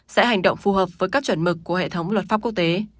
sẽ hành động phù hợp với các chuẩn mực của hệ thống luật pháp quốc tế